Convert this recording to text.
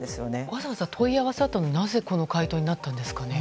わざわざ問い合わせたのになぜこの回答になったんですかね。